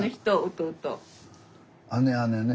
姉姉ね。